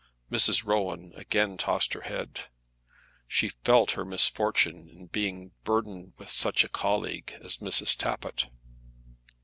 Mrs. Rowan again tossed her head. She felt her misfortune in being burthened with such a colleague as Mrs. Tappitt.